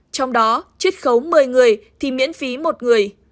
trong đó chích khấu một mươi người thì miễn phí một người